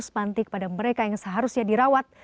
dan mengurus pantik pada mereka yang seharusnya dirawat